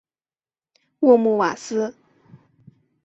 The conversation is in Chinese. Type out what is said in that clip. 沃穆瓦斯。